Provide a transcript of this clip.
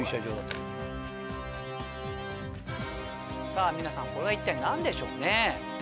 さぁ皆さんこれは一体何でしょうね。